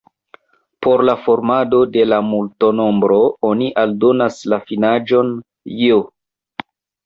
Por la formado de la multenombro oni aldonas la finiĝon j.